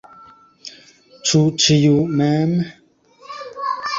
Ĉu ĉiu mem?